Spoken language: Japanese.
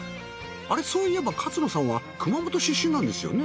あれそういえば勝野さんは熊本出身なんですよね？